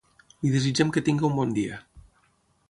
Li desitgem que tingui un bon dia.